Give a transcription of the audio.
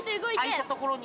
あいたところに。